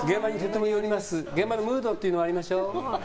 現場のムードというのがおありでしょ。